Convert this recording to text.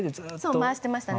そう回してましたね。